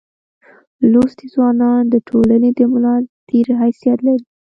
لوستي ځوانان دټولني دملا دتیر حیثیت لري.